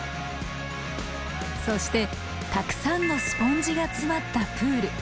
そしてたくさんのスポンジが詰まったプール。